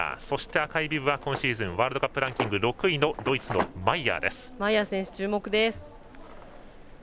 そして、赤いビブが今シーズンワールドカップランキング６位のドイツのマイヤーです。